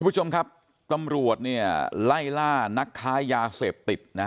ทุกผู้ชมครับตำรวจไล่ล่านักค้ายาเสพติด